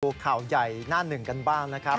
ดูข่าวใหญ่หน้าหนึ่งกันบ้างนะครับ